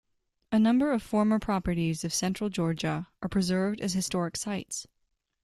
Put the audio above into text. A number of former properties of Central of Georgia are preserved as historic sites.